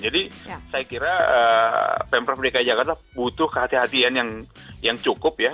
jadi saya kira pemprov dki jakarta butuh kehatian kehatian yang cukup ya